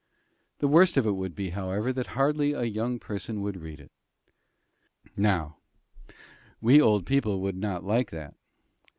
The worst of it would be, however, that hardly a young person would read it. Now, we old people would not like that.